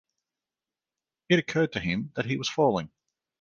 It occurred to him that he was falling.